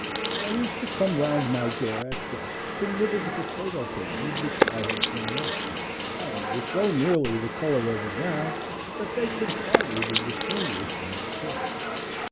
They used to come round my door at dusk to nibble the potato parings which I had thrown out, and were so nearly the color of the ground that they could hardly be distinguished when still.